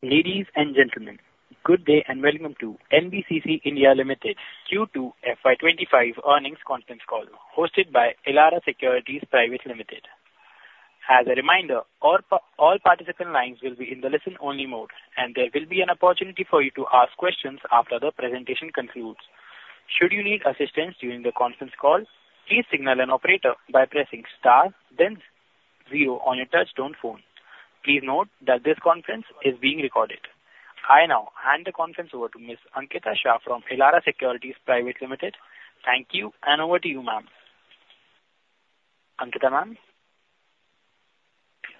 Ladies and gentlemen, good day and welcome to NBCC India Limited Q2 FY25 earnings conference call hosted by Elara Securities Private Limited. As a reminder, all participant lines will be in the listen-only mode, and there will be an opportunity for you to ask questions after the presentation concludes. Should you need assistance during the conference call, please signal an operator by pressing star, then zero on your touch-tone phone. Please note that this conference is being recorded. I now hand the conference over to Ms. Ankita Shah from Elara Securities Private Limited. Thank you, and over to you, ma'am. Ankita ma'am.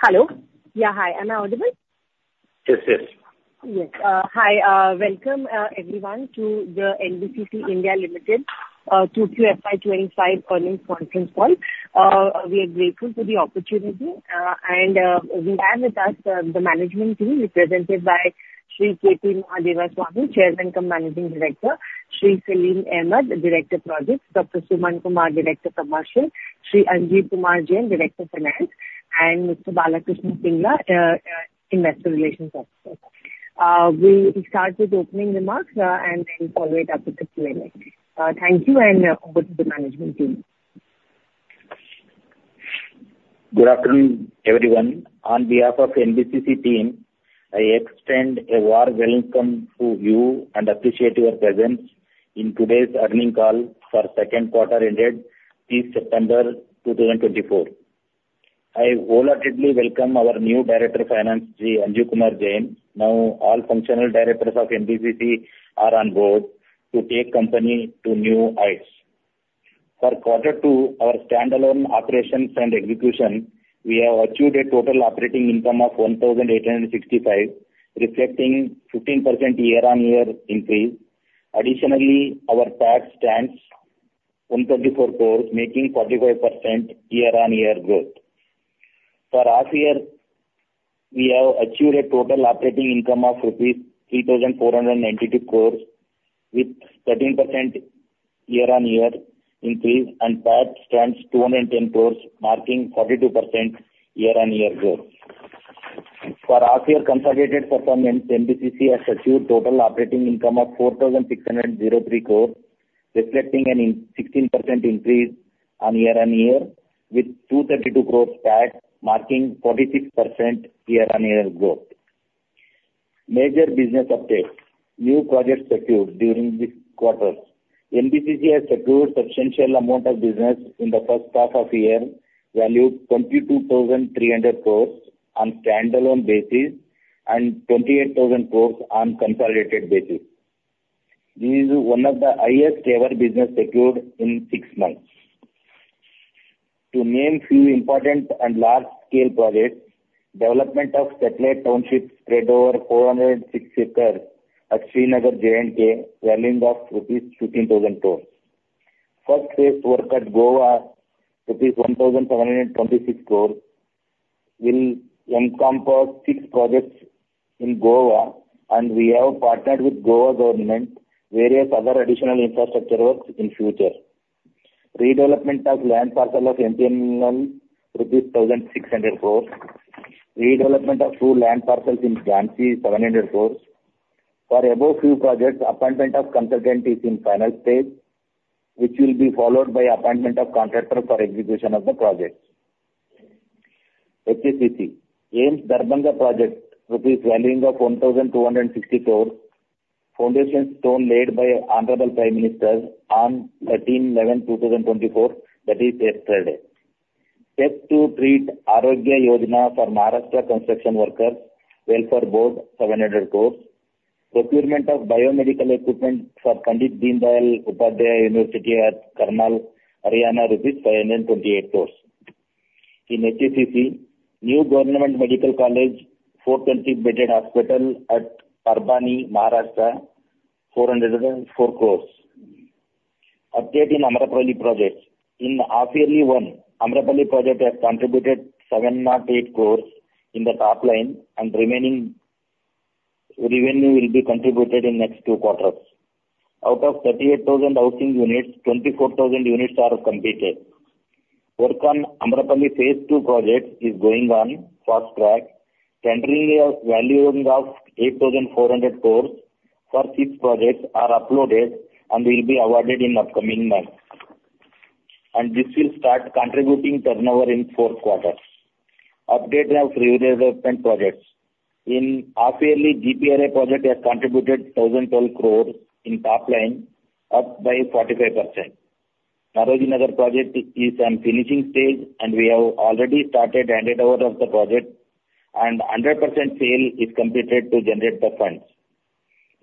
Hello. Yeah, hi. Am I audible? Yes, yes. Yes. Hi, welcome everyone to the NBCC India Limited Q2 FY25 earnings conference call. We are grateful for the opportunity, and we have with us the management team represented by Shri K.P. Mahadevaswamy, Chairman and Managing Director, Shri Saleem Ahmad, Director of Projects, Dr. Suman Kumar, Director of Commercial, Shri Anjeev Kumar Jain, Director of Finance, and Mr. Balkishan Singla, Investor Relations Officer. We'll start with opening remarks and then follow it up with a Q&A. Thank you, and over to the management team. Good afternoon, everyone. On behalf of NBCC team, I extend a warm welcome to you and appreciate your presence in today's earnings call for second quarter ended this September 2024. I voluntarily welcome our new Director of Finance, Shri Anjeev Kumar Jain. Now, all functional directors of NBCC are on board to take the company to new heights. For quarter two, our standalone operations and execution, we have achieved a total operating income of 1,865, reflecting a 15% year-on-year increase. Additionally, our tax stands on 24 crores, making 45% year-on-year growth. For last year, we have achieved a total operating income of rupees 3,492 crore, with a 13% year-on-year increase, and tax stands at 210 crores, marking a 42% year-on-year growth. For last year's consolidated performance, NBCC has achieved a total operating income of 4,603 crore, reflecting a 16% increase year-on-year, with 232 crore tax marking a 46% year-on-year growth. Major business updates: New projects secured during this quarter. NBCC has secured a substantial amount of business in the first half of the year, valued at 22,300 crore on a standalone basis and 28,000 crore on a consolidated basis. This is one of the highest-ever businesses secured in six months. To name a few important and large-scale projects: Development of satellite townships spread over 406 acres at Srinagar J&K, valued at rupees 15,000 crore. First phase work at Goa, rupees 1,726 crore, will encompass six projects in Goa, and we have partnered with the Goa government for various other additional infrastructure works in the future. Redevelopment of land parcels of 18,000 INR 1,600 crore, redevelopment of two land parcels in Jhansi 700 crore. For the above few projects, appointment of consultants is in the final stage, which will be followed by the appointment of contractors for execution of the projects. HSCC AIIMS Darbhanga project valued at 1,260 crore. Foundation stone laid by the Honorable Prime Minister on 13/11/2024, that is yesterday. Step two: The Arogya Yojana for Maharashtra Construction Workers Welfare Board 700 crore. Procurement of biomedical equipment for Pandit Deen Dayal Upadhyay University at Karnal, Haryana 528 crore. In HSCC, new government medical college, 420-bedded hospital at Parbhani, Maharashtra, 404 crore. Update in Amrapali projects: In half-yearly one, Amrapali project has contributed 708 crore in the top line, and remaining revenue will be contributed in the next two quarters. Out of 38,000 housing units, 24,000 units are completed. Work on Amrapali phase two projects is going on, fast track. Contract valuing of 8,400 crore for six projects is uploaded and will be awarded in the upcoming months, and this will start contributing turnover in the fourth quarter. Update of redevelopment projects: In half-yearly, GPRA project has contributed 1,012 crore in top line, up by 45%. Netaji Nagar project is in the finishing stage, and we have already started the handover of the project, and 100% sale is completed to generate the funds.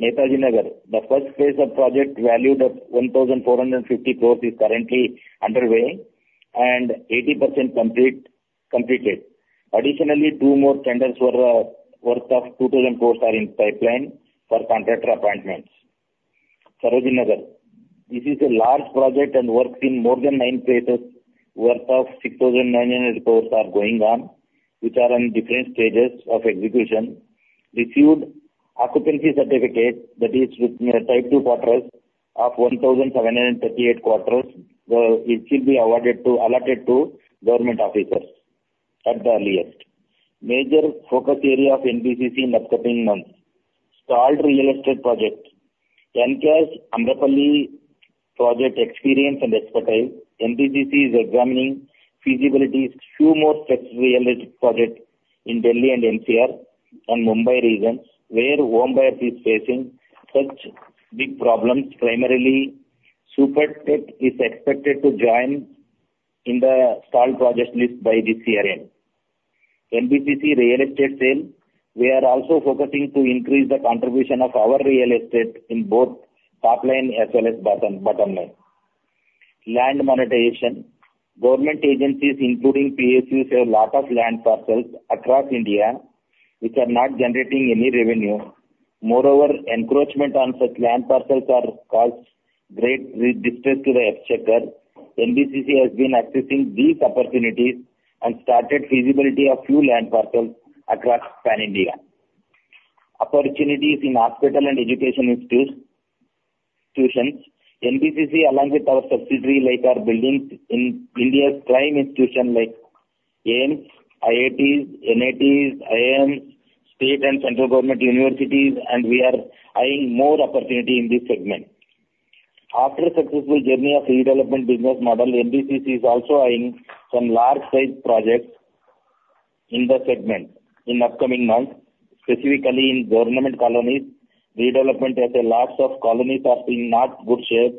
Netaji Nagar: The first phase of project valued at 1,450 crore is currently underway and 80% completed. Additionally, two more tenders worth of 2,000 crore are in the pipeline for contractor appointments. Sarojini Nagar: This is a large project and works in more than nine phases, worth of 6,900 crore are going on, which are in different stages of execution. Received occupancy certificate that is type two quarters of 1,738 quarters. It will be allotted to government officers at the earliest. Major focus area of NBCC in the upcoming months: stalled real estate projects. In case Amrapali project experience and expertise. NBCC is examining feasibility of a few more real estate projects in Delhi and NCR and Mumbai regions, where home buyers are facing such big problems. Primarily, Supertech is expected to join in the stalled project list by this year. NBCC real estate sale. We are also focusing on increasing the contribution of our real estate in both top line as well as bottom line. Land monetization: Government agencies, including PSUs, have a lot of land parcels across India which are not generating any revenue. Moreover, encroachment on such land parcels has caused great distress to the exchequer. NBCC has been assessing these opportunities and started the feasibility of a few land parcels across Pan-India. Opportunities in hospital and education institutions: NBCC, along with our subsidiaries, are building in India's prime institutions like AIIMS, IITs, NITs, IIMs, state and central government universities, and we are eyeing more opportunities in this segment. After a successful journey of redevelopment business model, NBCC is also eyeing some large-sized projects in the segment in the upcoming months, specifically in government colonies. Redevelopment, as lots of colonies are in not good shape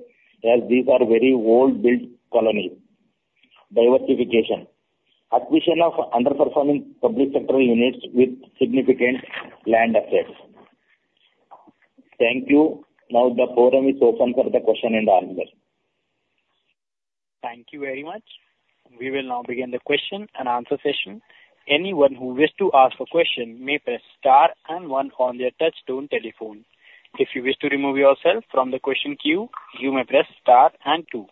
as these are very old-built colonies. Diversification: Acquisition of underperforming public sector units with significant land assets. Thank you. Now, the forum is open for the question and answer. Thank you very much. We will now begin the question and answer session. Anyone who wishes to ask a question may press star and one on their touch-tone telephone. If you wish to remove yourself from the question queue, you may press star and two.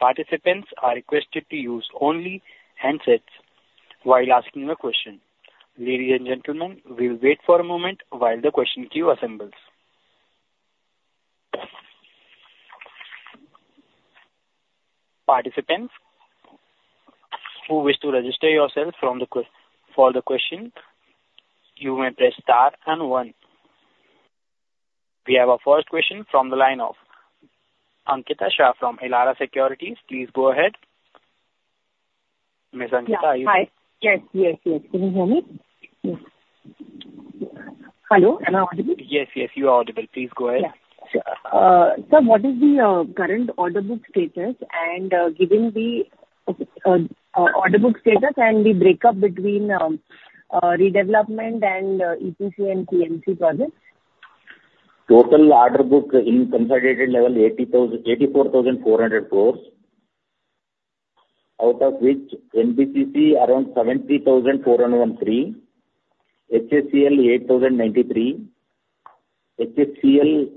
Participants are requested to use only handsets while asking a question. Ladies and gentlemen, we will wait for a moment while the question queue assembles. Participants who wish to register yourselves for the question, you may press star and one. We have a first question from the line of Ankita Shah from Elara Securities. Please go ahead. Ms. Ankita, are you there? Yes. Yes. Yes. Can you hear me? Yes. Hello? Am I audible? Yes. Yes. You are audible. Please go ahead. Yes. Sir, what is the current order book status? And given the order book status and the breakup between redevelopment and EPC and PMC projects? Total order book in consolidated level: 84,400 crores, out of which NBCC around 70,403 crore, HSCC 8,093 crore, HSCL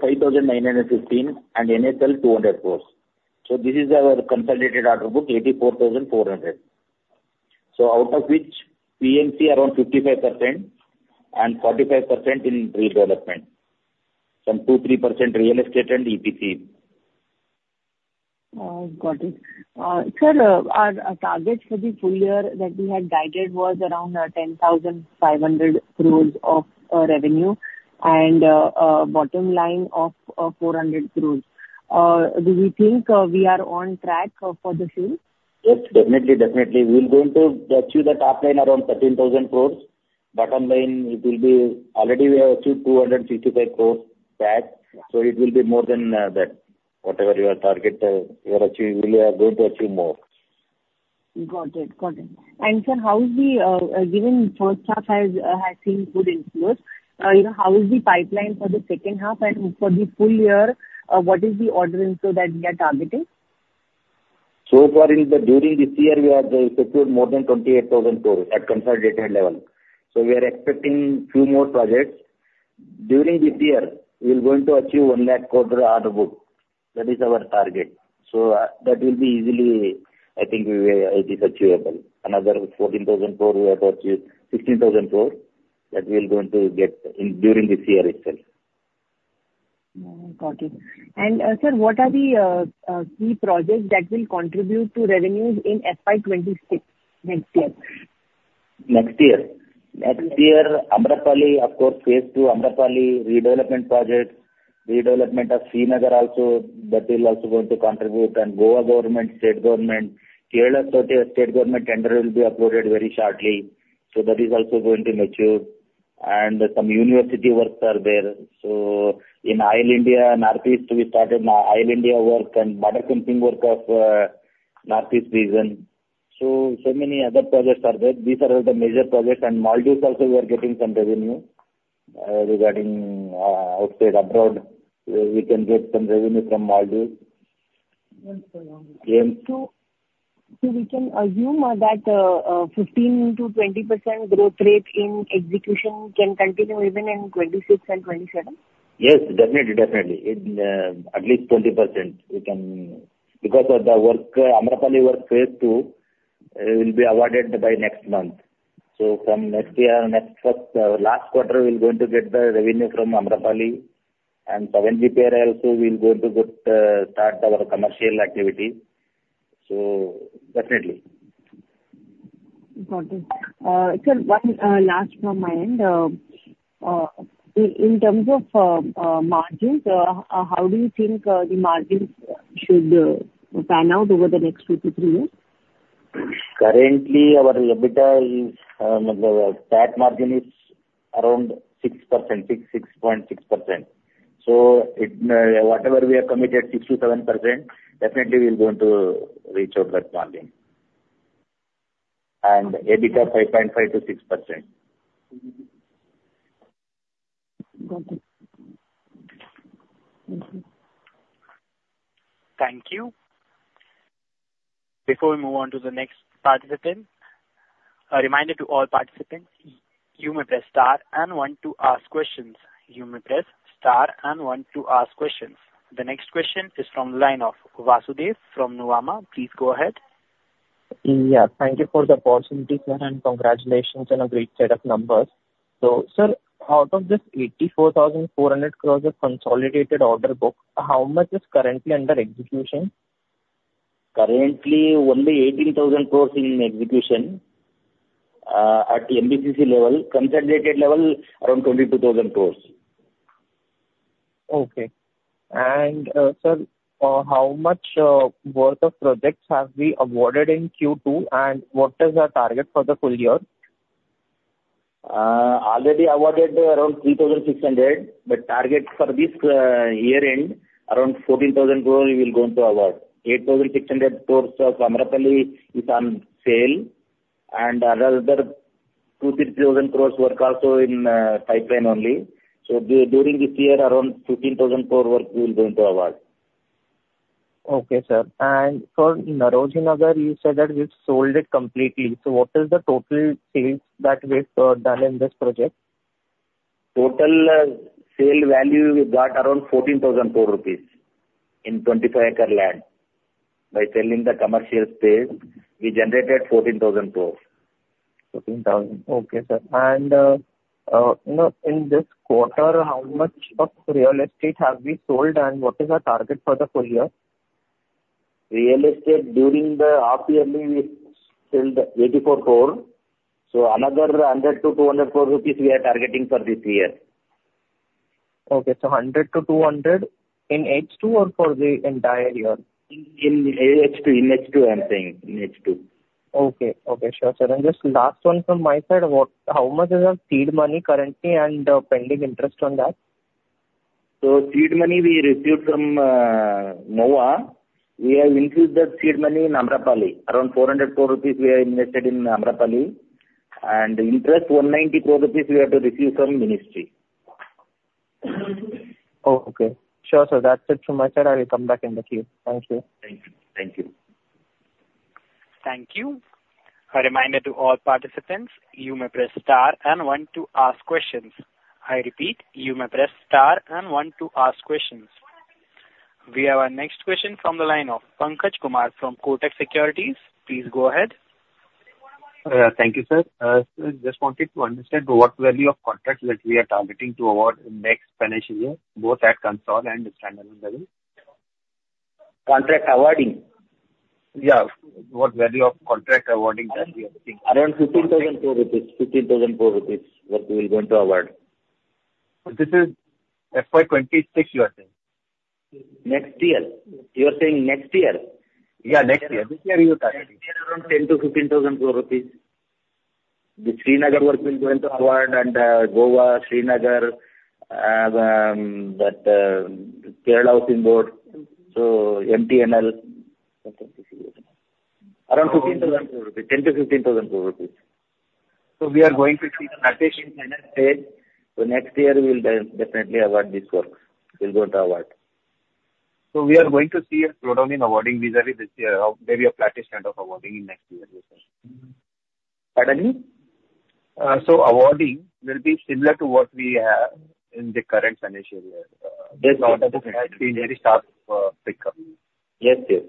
5,915 crore, and NSL 200 crore. So this is our consolidated order book: 84,400 crores. So out of which PMC around 55% and 45% in redevelopment, some 2%, 3% real estate and EPC. Got it. Sir, our target for the full year that we had guided was around 10,500 crores of revenue and a bottom line of 400 crores. Do we think we are on track for the sale? Yes. Definitely. Definitely. We will going to achieve the top line around 13,000 crores. Bottom line, it will be already we have achieved 265 crores back. So it will be more than that. Whatever your target you are achieving, we are going to achieve more. Got it. Got it. Sir, how the first half has seen good inflows? How is the pipeline for the second half and for the full year? What is the order book that we are targeting? So far, during this year, we have secured more than 28,000 crores at consolidated level. So we are expecting a few more projects. During this year, we are going to achieve one lakh crore order book. That is our target. So that will be easily, I think, it is achievable. Another 14,000 crores we have to achieve, 16,000 crores that we are going to get during this year itself. Got it. And sir, what are the key projects that will contribute to revenues in FY26 next year? Next year? Next year, Amrapali, of course, phase two, Amrapali redevelopment projects, redevelopment of Srinagar also, that will also going to contribute. And Goa government, state government, Kerala state government tender will be uploaded very shortly. So that is also going to mature. And some university works are there. So in Oil India, Northeast, we started Oil India work and water pumping work of Northeast region. So many other projects are there. These are the major projects. And Maldives also, we are getting some revenue regarding outside abroad. We can get some revenue from Maldives. So we can assume that 15%-20% growth rate in execution can continue even in 2026 and 2027? Yes. Definitely. Definitely. At least 20% we can because of the work. Amrapali work phase two will be awarded by next month. So from next year, next last quarter, we are going to get the revenue from Amrapali. And GPRA also we are going to start our commercial activity. So definitely. Got it. Sir, one last from my end. In terms of margins, how do you think the margins should pan out over the next two to three years? Currently, our EBITDA standalone margin is around 6%, 6.6%. Whatever we have committed, 6%-7%, definitely we are going to reach that margin, and EBITDA 5.5%-6%. Got it. Thank you. Thank you. Before we move on to the next participant, a reminder to all participants, you may press star and one to ask questions. The next question is from the line of Vasudev from Nuvama. Please go ahead. Yeah. Thank you for the opportunity, sir, and congratulations on a great set of numbers. So sir, out of this 84,400 crores of consolidated order book, how much is currently under execution? Currently, only 18,000 crores in execution at the NBCC level. Consolidated level, around INR 22,000 crores. Okay. And sir, how much worth of projects have we awarded in Q2, and what is our target for the full year? Already awarded around 3,600 crores, but target for this year-end, around 14,000 crores we will going to award. 8,600 crores of Amrapali is on sale, and another 2,000 crore to 3,000 crores work also in pipeline only. So during this year, around 15,000 crores work we will going to award. Okay, sir. And for Nauroji Nagar, you said that we've sold it completely. So what is the total sales that we've done in this project? Total sale value we got around 14,000 crores rupees in 25-acre land. By selling the commercial space, we generated 14,000 crores. 14,000 crores. Okay, sir. And in this quarter, how much of real estate have we sold, and what is our target for the full year? Real estate during the half-yearly, we've sold 84 crore. So another 100-200 crores rupees we are targeting for this year. Okay. So 100-200 crore in H2 or for the entire year? In H2, I'm saying. Okay. Okay. Sure, sir. And just last one from my side, how much is our seed money currently and pending interest on that? So, seed money we received from Noida. We have increased the seed money in Amrapali. Around 400 crores rupees we have invested in Amrapali. And interest 190 crores rupees we have to receive from ministry. Okay. Sure, sir. That's it from my side. I will come back in the queue. Thank you. Thank you. Thank you. Thank you. A reminder to all participants, you may press star and one to ask questions. I repeat, you may press star and one to ask questions. We have our next question from the line of Pankaj Kumar from Kotak Securities. Please go ahead. Thank you, sir. Just wanted to understand what value of contract that we are targeting to award next financial year, both at consolidated and standalone level? Contract awarding? Yeah. What value of contract awarding that we are seeing? Around 15,000 crores rupees. 15,000 crores rupees that we are going to award. This is FY26, you are saying? Next year. You are saying next year? Yeah, next year. This year you are targeting? Next year, around 10,000-15,000 crores rupees. The Srinagar work we are going to award and Goa, Srinagar, that Kerala State Housing Board. So MTNL. Around 15,000 crores rupees. 10,000-15,000 crores rupees. We are going to see the flattish in finance stage. So next year, we will definitely award these works. We are going to award. So we are going to see a slowdown in awarding vis-à-vis this year. Maybe a flattish kind of awarding in next year. Suddenly? Awarding will be similar to what we have in the current financial year. Yes. This has been very sharp pickup. Yes. Yes.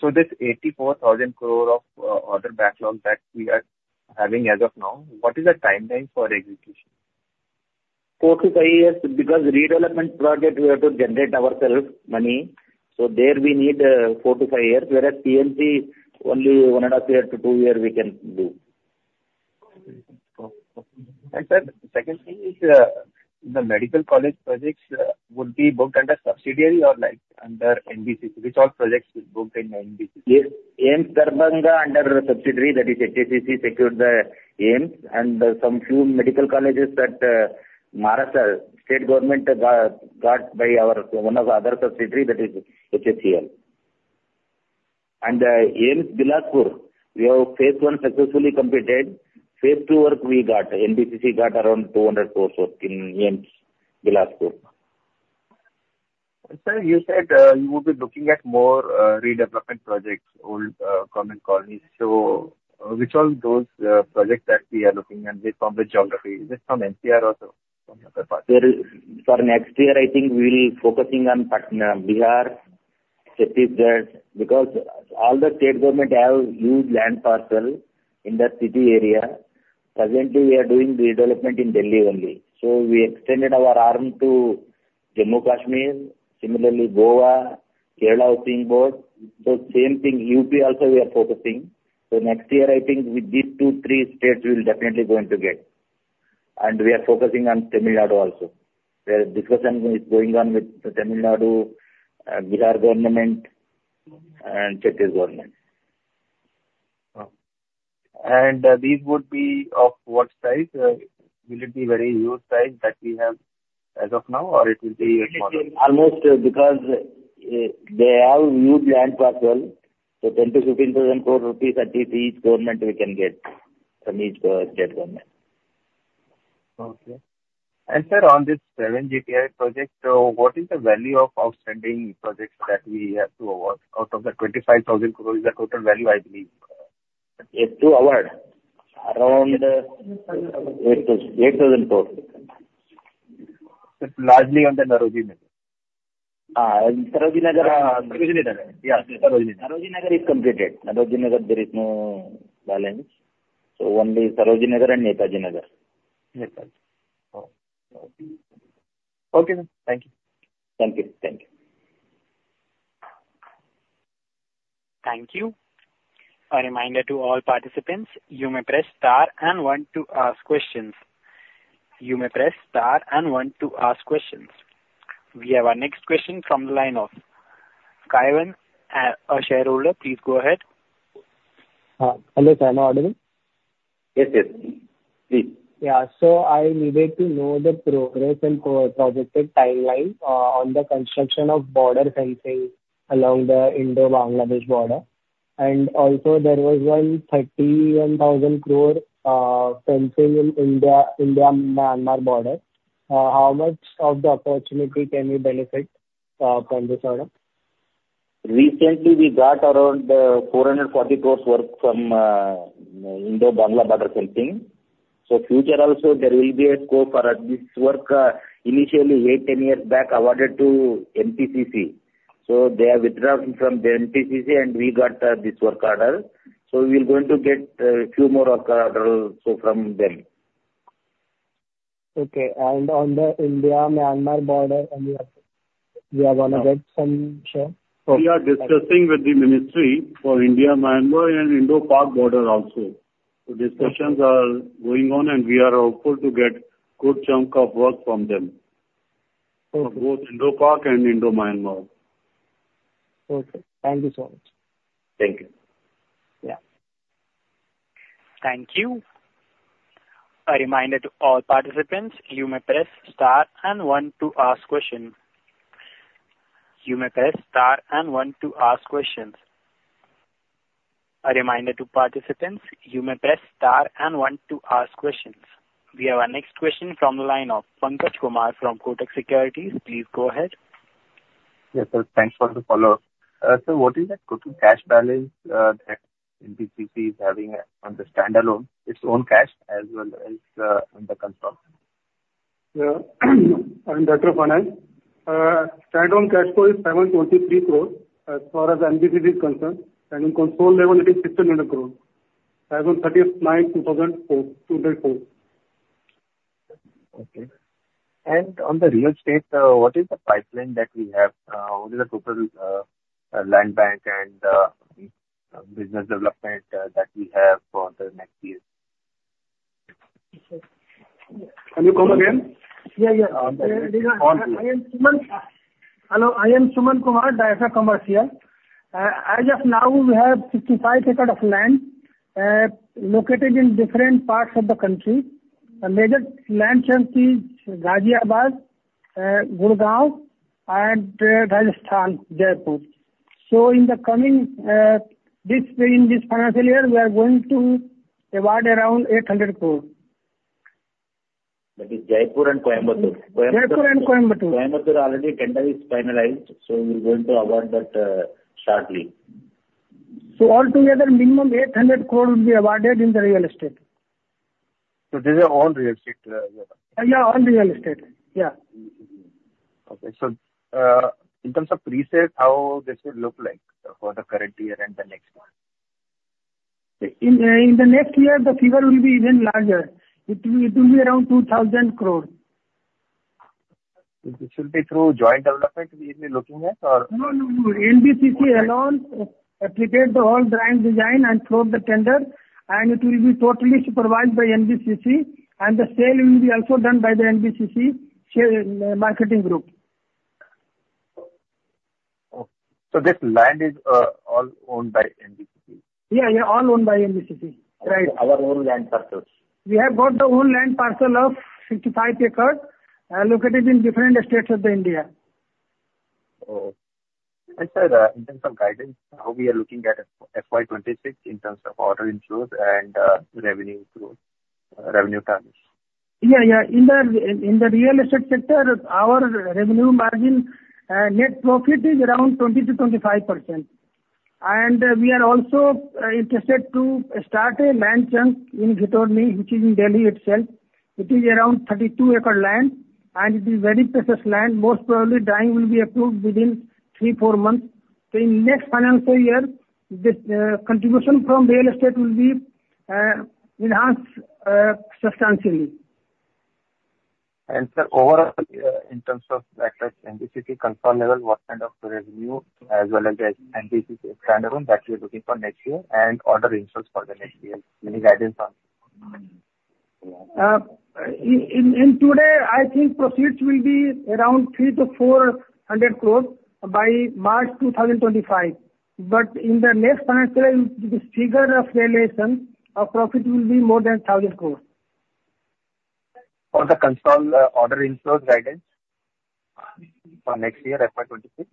So this 84,000 crore of order backlog that we are having as of now, what is the timeline for execution? Four to five years because redevelopment project we have to generate ourselves money. So there we need four to five years. Whereas PMC, only one and a half year to two year we can do. And, sir, second thing is the medical college projects will be booked under subsidiary or under NBCC? Which all projects is booked in NBCC? AIIMS Darbhanga under subsidiary. That is HSCC secured the AIIMS. And some few medical colleges that Maharashtra state government got by our one of the other subsidiary, that is HSCL. And AIIMS Bilaspur, we have phase one successfully completed. Phase II work we got. NBCC got around 200 crores in AIIMS Bilaspur. Sir, you said you will be looking at more redevelopment projects, old government colonies. So which all those projects that we are looking and based on the geography? Is it from NCR or from other parts? Sir, next year, I think we will be focusing on Bihar, Chhattisgarh because all the state government have huge land parcel in the city area. Presently, we are doing redevelopment in Delhi only. So we extended our arm to Jammu and Kashmir, similarly Goa, Kerala Housing Board. So same thing, UP also we are focusing. So next year, I think with these two, three states, we will definitely going to get. And we are focusing on Tamil Nadu also. Where discussion is going on with Tamil Nadu, Bihar government, and Chhattisgarh government. These would be of what size? Will it be very huge size that we have as of now, or it will be smaller? Almost because they have huge land parcel. So 10,000-15,000 crores rupees at least each government we can get from each state government. Okay. And sir, on this GPRA project, what is the value of outstanding projects that we have to award out of the 25,000 crores? The total value, I believe. Yes. To award? Around 8,000 crores. It's largely on the Nauroji? Sarojini Nagar. Yeah. Sarojini Nagar. Sarojini Nagar is completed. Nauroji Nagar, there is no balance. So only Sarojini Nagar and Netaji Nagar. Nagar. Okay. Okay, sir. Thank you. Thank you. Thank you. Thank you. A reminder to all participants, you may press star and one to ask questions. You may press star and one to ask questions. We have our next question from the line of [Kayan Ashayaruda]. Please go ahead. Hello. Am I audible? Yes. Yes. Please. Yeah. So I needed to know the progress and projected timeline on the construction of border fencing along the Indo-Bangladesh border, and also, there was one 3,100 crore fencing in Indo-Myanmar border. How much of the opportunity can we benefit from this, sir? Recently, we got around 440 crores work from Indo-Bangladesh border fencing. So future also, there will be a scope for this work initially eight, 10 years back awarded to NPCC. So they are withdrawing from the NPCC, and we got this work order. So we will going to get a few more work orders from them. Okay. And on the Indo-Myanmar Border, we are going to get some, sir? We are discussing with the Ministry for Indo-Myanmar and Indo-Pak border also. So discussions are going on, and we are hopeful to get a good chunk of work from them. Both Indo-Pak and Indo-Myanmar. Okay. Thank you so much. Thank you. Yeah. Thank you. A reminder to all participants, you may press star and one to ask question. You may press star and one to ask questions. A reminder to participants, you may press star and one to ask questions. We have our next question from the line of Pankaj Kumar from Kotak Securities. Please go ahead. Yes. So thanks for the follow-up. Sir, what is the total cash balance that NBCC is having on the standalone, its own cash as well as under control? Sir, I'm Dr. Pankaj. Standalone cash flow is INR 723 crores as far as NBCC is concerned, and in consolidated level, it is INR 600 crores. As of 30th May 2004. Okay. And on the real estate, what is the pipeline that we have? What is the total land bank and business development that we have for the next year? Can you come again? Yeah. Yeah. I am Suman Kumar. Hello. I am Suman Kumar, Director Commercial. As of now, we have 65 acres of land located in different parts of the country. The major land chunk is Ghaziabad, Gurgaon, and Rajasthan, Jaipur. So in the coming this financial year, we are going to award around 800 crores. That is Jaipur and Coimbatore? Jaipur and Coimbatore? Coimbatore already tender is finalized. So we are going to award that shortly. Altogether, minimum 800 crores will be awarded in the real estate. These are all real estate? Yeah. All real estate. Yeah. Okay. So in terms of pre-sales, how this will look like for the current year and the next year? In the next year, the figure will be even larger. It will be around 2,000 crores. This will be through joint development we will be looking at, or? No. No. No. NBCC alone will prepare the whole drawing design and close the tender. It will be totally supervised by NBCC. The sale will also be done by the NBCC marketing group. So this land is all owned by NBCC? Yeah. Yeah. All owned by NBCC. Right. Our own land parcels? We have got the own land parcel of 65 acres located in different states of India. Sir, in terms of guidance, how we are looking at FY26 in terms of order intros and revenue targets? Yeah. Yeah. In the real estate sector, our revenue margin net profit is around 20%-25%. And we are also interested to start a land chunk in Ghitorni, which is in Delhi itself. It is around 32-acre land. And it is very precious land. Most probably, drawing will be approved within three, four months. So in next financial year, the contribution from real estate will be enhanced substantially. Sir, overall, in terms of NBCC consolidated level, what kind of revenue as well as NBCC standalone that we are looking for next year and order inflows for the next year? Any guidance on? Today, I think proceeds will be around 300- 400 crores by March 2025. But in the next financial year, this figure of valuation of profit will be more than 1,000 crores. For the consolidated order inflows guidance for next year, FY26?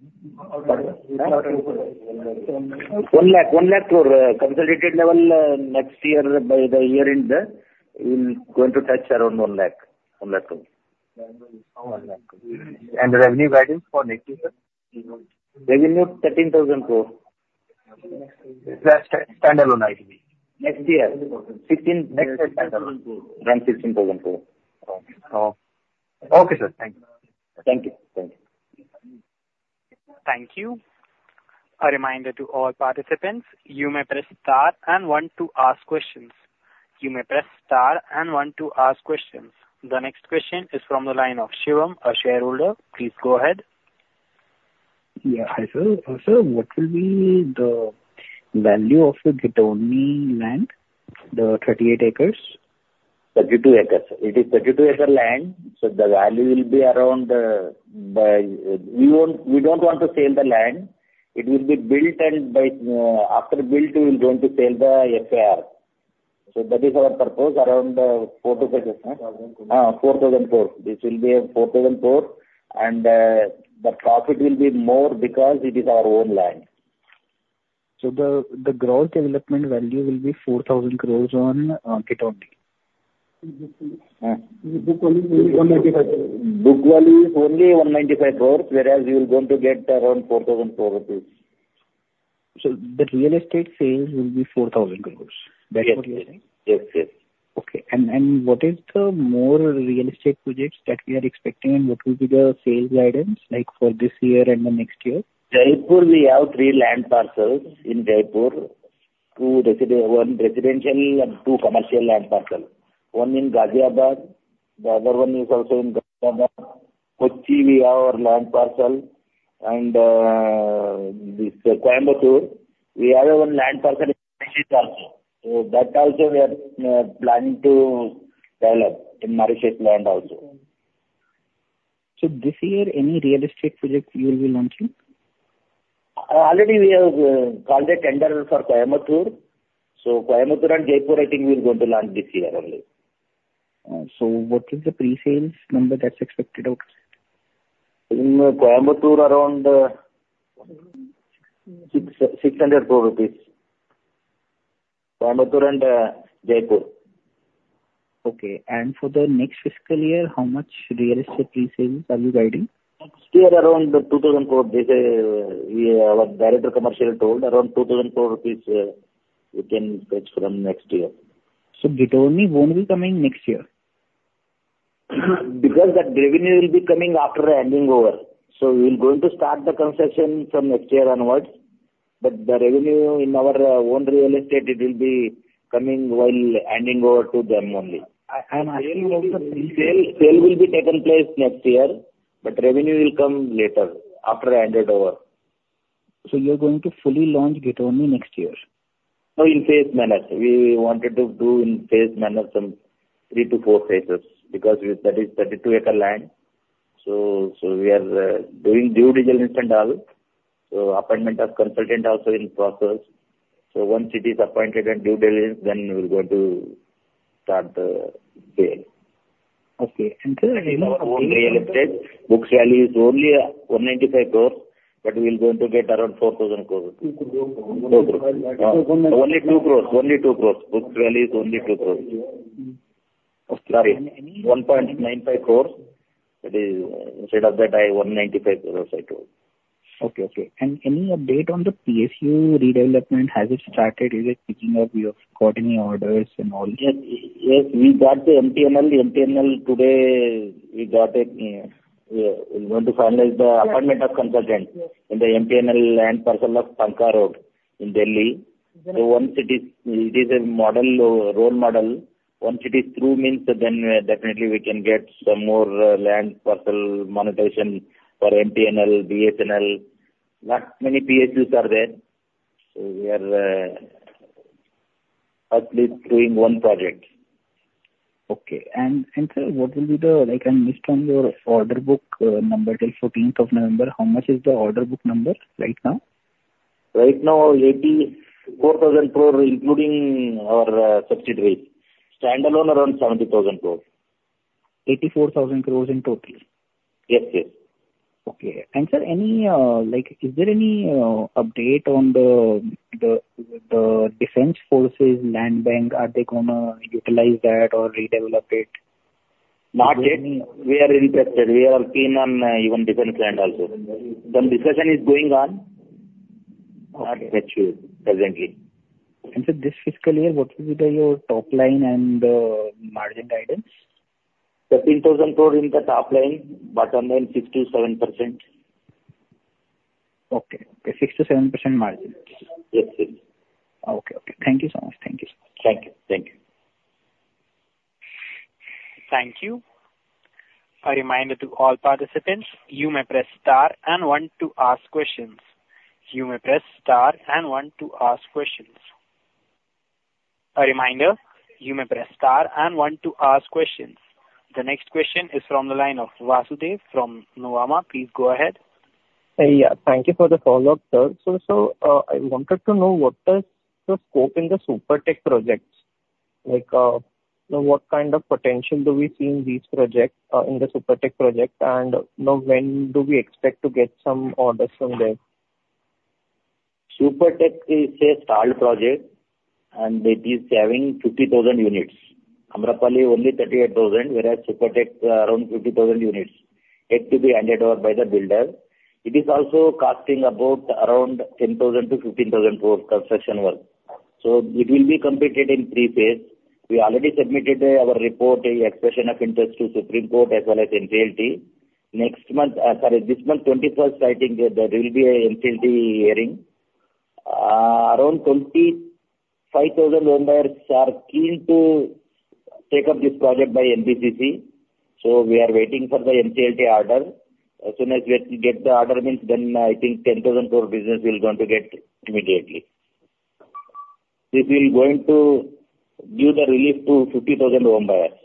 1 lakh. 1 lakh crore. Consolidated level next year by the year in the. We're going to touch around 1 lakh. 1 lakh crore. Revenue guidance for next year, sir? Revenue 13,000 crores. Standalone, I believe. Next year. 16. Next year. Standalone. Around INR 16,000 crores. Okay. Okay, sir. Thank you. Thank you. Thank you. Thank you. A reminder to all participants, you may press star and one to ask questions. The next question is from the line of Shivam, a shareholder. Please go ahead. Yeah. Hi, sir. Sir, what will be the value of the Ghitorni land, the 38 acres? 32 acres. It is 32-acre land. So the value will be around, we don't want to sell the land. It will be built, and after built, we're going to sell the FAR. So that is our purpose, around 425 crore. 4,000 crores. 4,000 crores. This will be 4,000 crores. And the profit will be more because it is our own land. So the gross development value will be 4,000 crores on Ghitorni? Book value is only 195 crores. Whereas we're going to get around 4,000 crores rupees. So the real estate sales will be 4,000 crores. That's what you're saying? Yes. Yes. Okay. What are the major real estate projects that we are expecting, and what will be the sales guidance for this year and the next year? Jaipur, we have three land parcels in Jaipur. One residential and two commercial land parcels. One in Ghaziabad. The other one is also in Ghaziabad. Kochi, we have our land parcel. And this is Coimbatore. We have one land parcel in Maharashtra also. So that also we are planning to develop in Maharashtra land also. So this year, any real estate projects you will be launching? Already, we have called a tender for Coimbatore. So Coimbatore and Jaipur, I think we're going to launch this year only. What is the pre-sales number that's expected out? In Coimbatore, around INR 600 crores. Coimbatore and Jaipur. Okay. And for the next fiscal year, how much real estate pre-sales are you guiding? Next year, around 2,000 crores. Our Director Commercial told around 2,000 crores rupees we can touch from next year. So Ghitorni won't be coming next year? Because that revenue will be coming after handover. So we're going to start the concession from next year onwards. But the revenue in our own real estate, it will be coming while handing over to them only. I'm asking about the pre-sales. Sale will be taken place next year. But revenue will come later after ended over. So you're going to fully launch Ghitorni next year? No, in phased manner. We wanted to do in phased manner some three to four phases because that is 32-acre land. So we are doing due diligence and all. So appointment of consultant also in process. So once it is appointed and due diligence, then we're going to start the sale. Okay, and sir, really. Our own real estate. Book value is only 195 crores. But we're going to get around 4,000 crores. 2 crores. Only 2 crores. Only 2 crores. Book value is only 2 crores. Sorry. 1.95 crores. That is instead of that, I 195 crores I told. Okay. Okay. And any update on the PSU redevelopment? Has it started? Is it picking up? We have got any orders and all? Yes. We got the MTNL. MTNL today, we got it. We're going to finalize the appointment of consultant in the MTNL land parcel of Pankha Road in Delhi. So one city is it is a role model. One city is through means then definitely we can get some more land parcel monetization for MTNL, BSNL. Not many PSUs are there. So we are at least doing one project. Okay. And, sir, what will be the, I missed, on your order book number till 14th of November? How much is the order book number right now? Right now, 84,000 crores including our subsidiaries. Standalone, around 70,000 crores. 84,000 crores in total? Yes. Yes. Okay. And sir, is there any update on the defense forces land bank? Are they going to utilize that or redevelop it? Not yet. We are interested. We are keen on even defense land also. The discussion is going on. Not yet presently. Sir, this fiscal year, what will be your top line and margin guidance? INR 13,000 crores in the top line. Bottom line, 6%-7%. Okay. Okay. 6%-7% margin? Yes. Yes. Okay. Okay. Thank you so much. Thank you so much. Thank you. Thank you. Thank you. A reminder to all participants, you may press star and one to ask questions. The next question is from the line of Vasudev from Nuvama. Please go ahead. Yeah. Thank you for the follow-up, sir. So sir, I wanted to know what is the scope in the Supertech projects? What kind of potential do we see in these projects in the Supertech projects? And when do we expect to get some orders from there? Supertech is a stalled project, and it is having 50,000 units. Amrapali only 38,000. Whereas Supertech, around 50,000 units. It to be handed over by the builder. It is also costing about around 10,000-15,000 crores construction work, so it will be completed in three phases. We already submitted our report, the expression of interest to Supreme Court as well as NCLT. Next month, sorry, this month 21st, I think there will be an NCLT hearing. Around 25,000 owners are keen to take up this project by NBCC, so we are waiting for the NCLT order. As soon as we get the order means, then I think 10,000 crores business will going to get immediately. This will going to give the relief to 50,000 home buyers.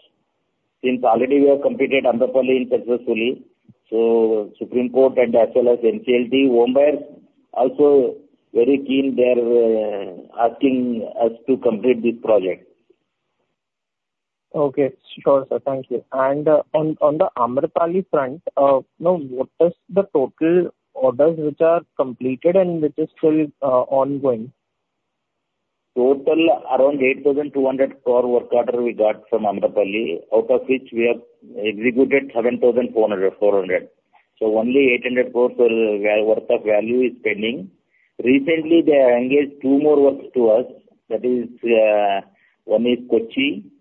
Since already we have completed Amrapali successfully. So, Supreme Court and as well as NCLT, home buyers also very keen, they are asking us to complete this project. Okay. Sure, sir. Thank you. And on the Amrapali front, what is the total orders which are completed and which is still ongoing? Total around 8,200 crores work order we got from Amrapali. Out of which we have executed 7,400 crore. So only 800 crores worth of value is pending. Recently, they have engaged two more works to us. That is one is Kochi.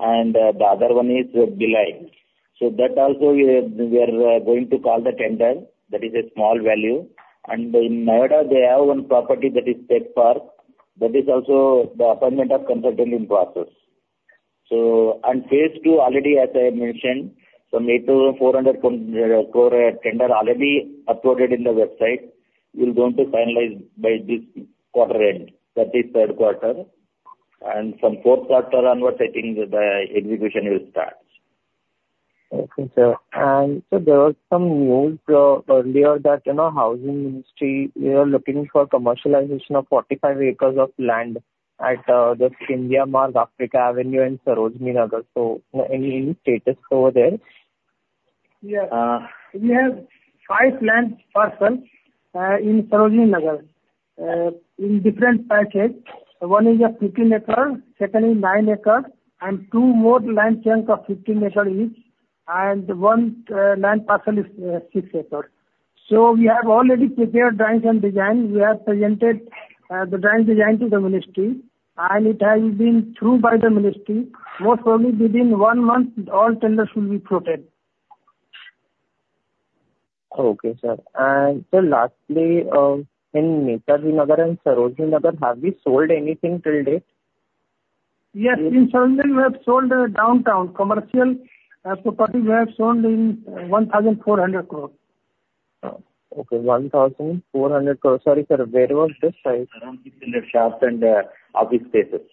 And the other one is Bhilai. So that also we are going to call the tender. That is a small value. And in Noida, they have one property that is Tech Park. That is also the appointment of consultant in process. So and phase two already, as I mentioned, some 8,400 crores tender already uploaded in the website. We're going to finalize by this quarter end. That is third quarter. And from fourth quarter onwards, I think the execution will start. Okay, sir. And sir, there was some news earlier that housing ministry are looking for commercialization of 45 acres of land at the Scindia Marg, Africa Avenue in Sarojini Nagar. So any status over there? Yes. We have five land parcels in Sarojini Nagar in different packets. One is a 15 acre, second is 9 acre, and two more land chunks of 15-acre each. And one land parcel is 6 acre. So we have already prepared drawings and design. We have presented the drawing design to the ministry. And it has been through by the ministry. Most probably within one month, all tenders will be floated. Okay, sir. And sir, lastly, in Netaji Nagar and Sarojini Nagar, have we sold anything till date? Yes. In Sarojini Nagar, we have sold downtown commercial property. We have sold in 1,400 crores. Okay. 1,400 crores. Sorry, sir, where was the size? Around 1,500 shops and office spaces.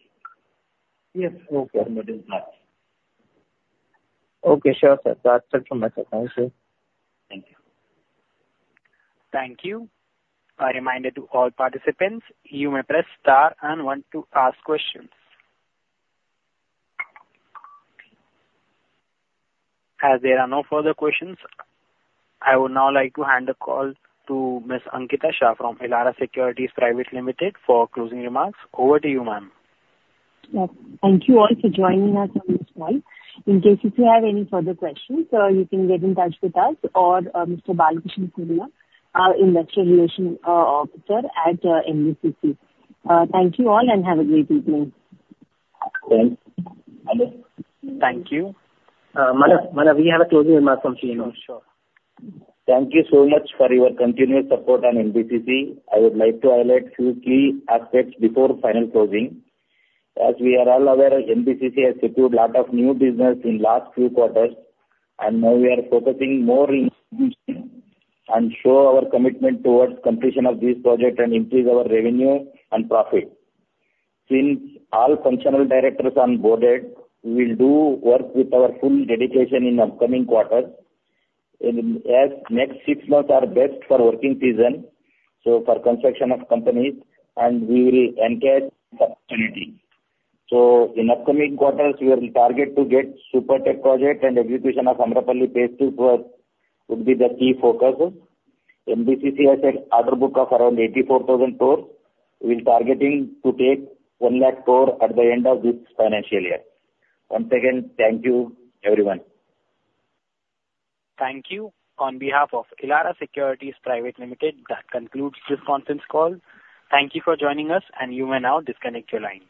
Yes. Okay. Permitting plots. Okay. Sure, sir. That's it from my side. Thank you. Thank you. Thank you. A reminder to all participants, you may press star and one to ask questions. As there are no further questions, I would now like to hand the call to Ms. Ankita Shah from Elara Securities Private Limited for closing remarks. Over to you, ma'am. Thank you all for joining us on this call. In case if you have any further questions, you can get in touch with us or Mr. Balkishan Singla, our investor relations officer at NBCC. Thank you all and have a great evening. Thanks. Thank you. Mala, we have a closing remark from Shivam. Thank you so much for your continuous support on NBCC. I would like to highlight a few key aspects before final closing. As we are all aware, NBCC has secured a lot of new business in the last few quarters. And now we are focusing more and show our commitment towards completion of these projects and increase our revenue and profit. Since all functional directors are onboarded, we will do work with our full dedication in the upcoming quarters. As next six months are best for working season, so for construction of companies, and we will encourage opportunity. So in upcoming quarters, we will target to get Supertech project and execution of Amrapali phase two would be the key focus. NBCC has an order book of around 84,000 crores. We are targeting to take 1 lakh crores at the end of this financial year. Once again, thank you everyone. Thank you. On behalf of Elara Securities Private Limited, that concludes this conference call. Thank you for joining us, and you may now disconnect your line.